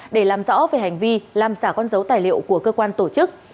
để làm rõ về hành vi làm giả con dấu tài liệu của cơ quan tổ chức